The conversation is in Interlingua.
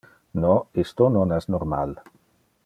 No, isto non es normal.